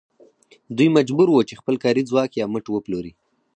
دوی مجبور وو چې خپل کاري ځواک یا مټ وپلوري